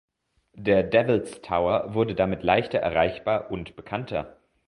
Der Devils Tower wurde damit leichter erreichbar und bekannter.